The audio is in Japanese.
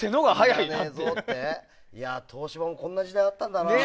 いや、東芝もこんな時代あったんだな。